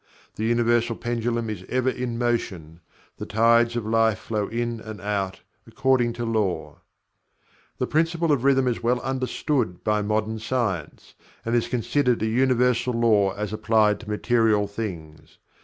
The Universal Pendulum is ever in motion. The Tides of Life flow in and out, according to Law. The Principle of rhythm is well understood by modern science, and is considered a universal law as applied to material things.